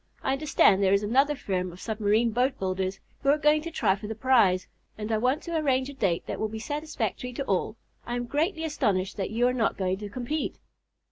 I understand there is another firm of submarine boat builders who are going to try for the prize, and I want to arrange a date that will be satisfactory to all. I am greatly astonished that you are not going to compete."